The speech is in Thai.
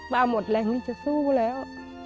แป๊บหมดแหลงจะสู้แล้ว